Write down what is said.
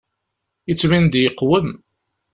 Yettbin-d yeqwem.